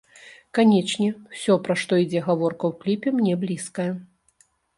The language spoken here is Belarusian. Канечне, усё, пра што ідзе гаворка ў кліпе, мне блізкае.